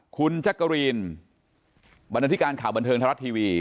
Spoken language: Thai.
คุณชะกรีนบันทึการข่าวบันเทิงชมทรรัสทีวี